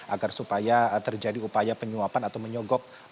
agar supaya terjadi upaya penyuapan atau menyogok